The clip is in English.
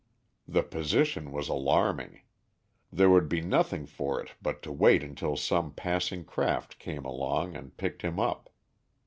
The position was alarming. There would be nothing for it but to wait until some passing craft came along and picked him up.